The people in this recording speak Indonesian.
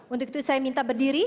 untuk itu saya minta berdiri